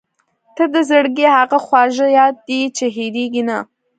• ته د زړګي هغه خواږه یاد یې چې هېرېږي نه.